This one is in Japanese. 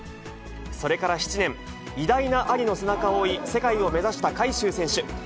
それから７年、偉大な兄の背中を追い、世界を目指した海祝選手。